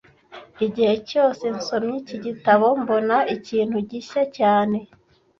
Igihe cyose nsomye iki gitabo, mbona ikintu gishya cyane